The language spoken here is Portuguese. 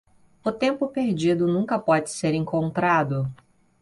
O tempo perdido nunca pode ser encontrado.